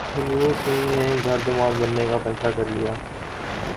رنویر سنگھ نے گھر داماد بننے کا فیصلہ کر لیا